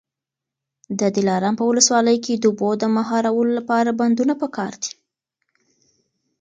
د دلارام په ولسوالۍ کي د اوبو د مهارولو لپاره بندونه پکار دي.